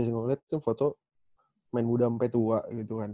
iya gue liat tuh foto main muda sampai tua gitu kan